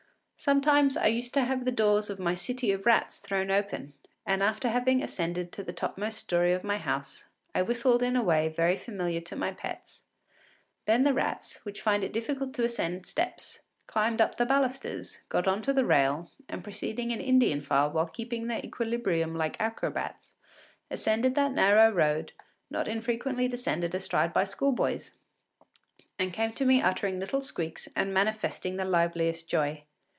Sometimes I used to have the doors of my City of Rats thrown open, and, after having ascended to the topmost story of my house, I whistled in a way very familiar to my pets. Then the rats, which find it difficult to ascend steps, climbed up the balusters, got on to the rail, and proceeding in Indian file while keeping their equilibrium like acrobats, ascended that narrow road not infrequently descended astride by schoolboys, and came to me uttering little squeaks and manifesting the liveliest joy.